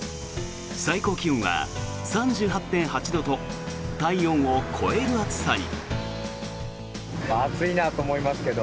最高気温は３８．８度と体温を超える暑さに。